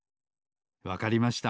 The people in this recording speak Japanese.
わかりました。